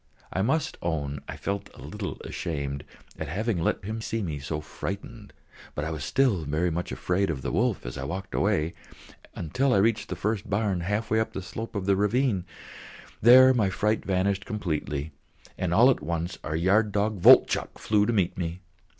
I must own I felt a little ashamed at having let him see me so frightened, but I was still very much afraid of the wolf as I walked away, until I reached the first barn half way up the slope of the ravine; there my fright vanished completely, and all at once our yard dog Voltchok flew to meet me.